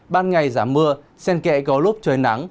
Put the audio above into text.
ban ngày giảm mưa sen kẹ có lúc trời nắng